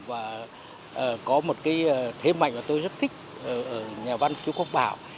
và có một cái thế mạnh mà tôi rất thích ở nhà văn khiếu quốc bảo